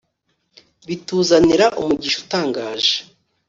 bituzanira umugisha utangaje